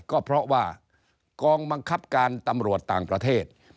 ก็เพราะว่ากองบังคับการตำรวจต่างประเทศ